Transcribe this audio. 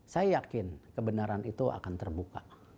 saya yakin kebenaran itu akan terbuka